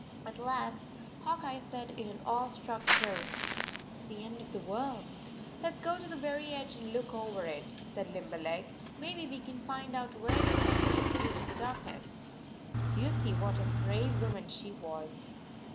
At last Hawk Eye said in an awestruck tone, "It s the end of the world/ " Let s go to the very edge and look over it," said Limberleg. " Maybe we can find out where the sun hides during the dark ness." You see what a brave woman she was.